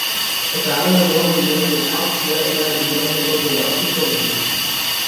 فَتَعَالَى اللَّهُ الْمَلِكُ الْحَقُّ لَا إِلَهَ إِلَّا هُوَ رَبُّ الْعَرْشِ الْكَرِيمِ